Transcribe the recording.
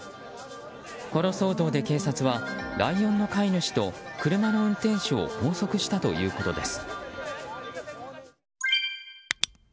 この騒動で警察はライオンの飼い主と車の運転手を拘束したということです。